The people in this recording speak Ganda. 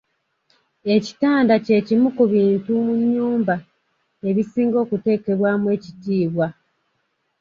Ekitanda ky’ekimu ku bintu mu nnyumba ebisinga okuteekebwamu ekitiibwa.